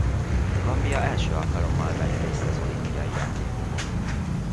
Gambia első alkalommal vett részt az olimpiai játékokon.